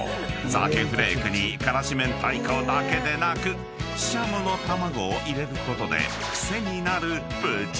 鮭フレークに辛子明太子だけでなくししゃもの卵を入れることで］